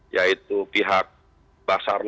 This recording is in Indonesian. yaitu pihak basarno